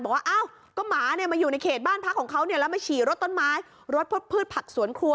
บอกว่าอ้าวก็หมาเนี่ยมาอยู่ในเขตบ้านพักของเขาเนี่ยแล้วมาฉี่รถต้นไม้รถพดพืชผักสวนครัว